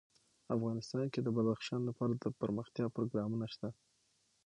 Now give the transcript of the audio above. افغانستان کې د بدخشان لپاره دپرمختیا پروګرامونه شته.